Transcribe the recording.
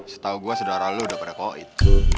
setau gua saudara lu udah pada covid